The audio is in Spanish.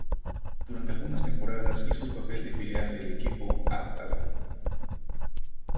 Durante algunas temporadas hizo el papel de filial del equipo Atala.